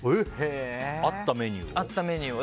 合ったメニューを。